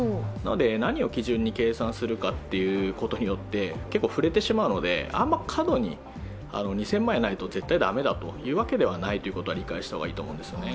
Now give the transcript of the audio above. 何を基準に計算するかによって、結構振れてしまうので、あまり過度に、２０００万円ないと絶対だめだというわけではないということは理解した方がいいと思うんですよね。